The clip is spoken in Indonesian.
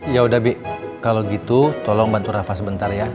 yaudah bi kalau gitu tolong bantu rafa sebentar ya